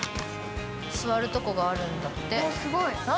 座るとこがあるんだって。